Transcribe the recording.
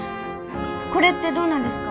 これってどうなんですか？